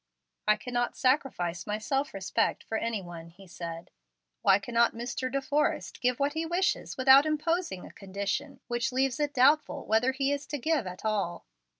"I cannot sacrifice my self respect for any one," he said. "Why cannot Mr. De Forrest give what he wishes without imposing a condition which leaves it doubtful whether he is to give at all?"